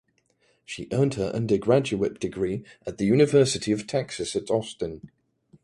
She earned her undergraduate degree at the University of Texas at Austin.